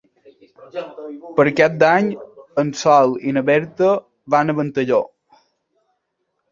Per Cap d'Any en Sol i na Berta van a Ventalló.